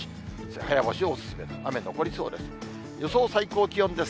部屋干しがお勧め、雨残りそうです。